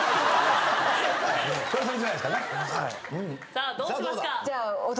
さあどうしますか？